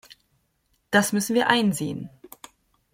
Das müssen wir einsehen.